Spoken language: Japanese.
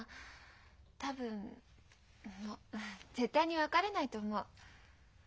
多分絶対に別れないと思う。